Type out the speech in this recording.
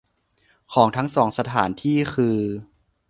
ของทั้งสองสถานที่คือ